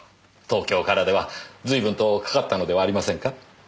東京からでは随分とかかったのではありませんか？